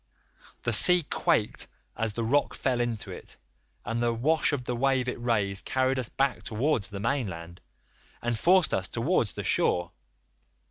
81 The sea quaked as the rock fell into it, and the wash of the wave it raised carried us back towards the mainland, and forced us towards the shore.